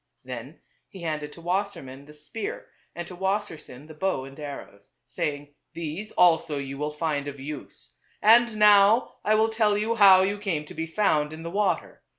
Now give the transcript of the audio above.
Then he handed to Wassermann the spear and to Wassersein the bow and arrows, saying, " These also you will find of use. And now I will tell you how you came to be found in the water.